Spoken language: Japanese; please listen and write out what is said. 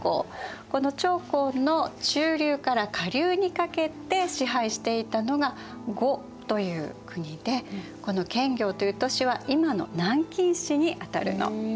この長江の中流から下流にかけて支配していたのが呉という国でこの建業という都市は今の南京市にあたるの。